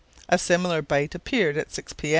A similar bight appeared at 6 p.